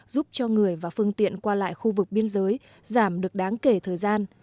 giúp cho người và phương tiện qua lại khu vực biên giới giảm được đáng kể thời gian